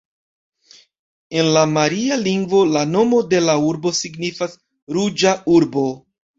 En la maria lingvo la nomo de la urbo signifas “ruĝa urbo”.